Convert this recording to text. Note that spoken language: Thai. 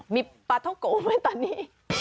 อ๋อมีปลาท็อกโก้ไหมตอนนี้